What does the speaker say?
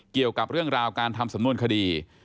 เกี่ยวกับเรื่องราวการทำสำนวนคดี